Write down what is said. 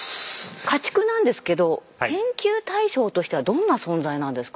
家畜なんですけど研究対象としてはどんな存在なんですか？